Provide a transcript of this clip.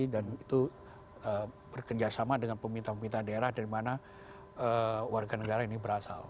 dan itu bekerjasama dengan peminta peminta daerah dari mana warga negara ini berasal